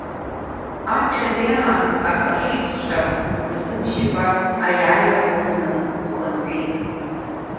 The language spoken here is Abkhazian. Аԥхьатәи аан афашистцәа урзымшьыкәа ааиааира уманы ухынҳәит.